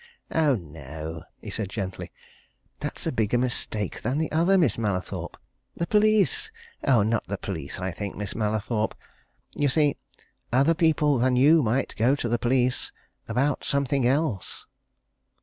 "Oh, no!" he said gently. "That's a bigger mistake than the other, Miss Mallathorpe! The police! Oh, not the police, I think, Miss Mallathorpe. You see other people than you might go to the police about something else."